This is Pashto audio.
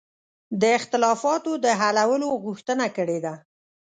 د اختلافاتو د حلولو غوښتنه کړې ده.